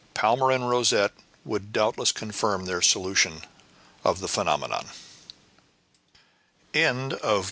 Palmyrin Rosette would doubtless confirm their solution of the phenomenon. CHAPTER II.